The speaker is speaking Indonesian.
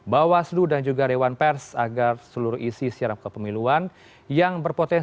bawaslu dan juga dewan pers agar seluruh isi siaran kepemiluan yang berpotensi